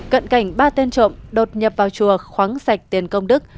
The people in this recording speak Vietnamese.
cận cảnh ba tên trộm đột nhập vào chùa khoáng sạch tiền công đức